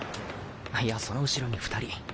いやその後ろに２人。